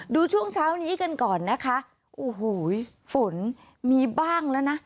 ช่วงเช้านี้กันก่อนนะคะโอ้โหฝนมีบ้างแล้วนะ